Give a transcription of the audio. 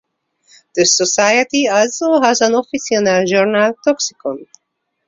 The society also has an official journal, "Toxicon".